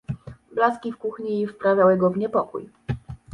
Blaski w kuchni wprawiały go w niepokój.